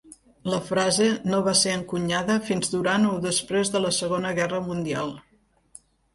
La frase no va ser encunyada fins durant o després de la Segona Guerra Mundial.